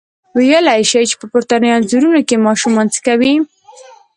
ویلای شئ چې په پورتنیو انځورونو کې ماشومان څه کوي؟